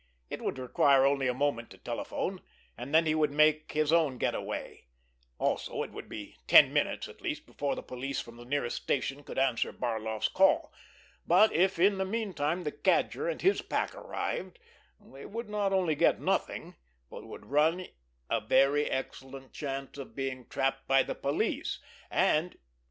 It would require only a moment to telephone, and then he would make his own get away; also, it would be ten minutes at least before the police from the nearest station could answer Barloff's call, but if, in the meanwhile, the Cadger and his pack arrived, they would not only get nothing, but would run a very excellent chance of being trapped by the police, and——.